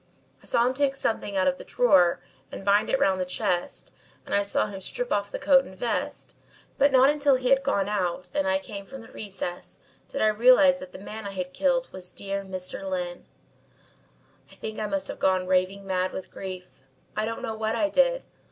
I saw him take something out of the drawer and bind it round the chest and I saw him strip off the coat and vest, but not until he had gone out and I came from the recess, did I realise that the man I had killed was dear Mr. Lyne. "I think I must have gone raving mad with grief. I don't know what I did.